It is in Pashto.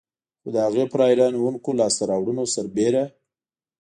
خو د هغې پر حیرانوونکو لاسته راوړنو سربېر.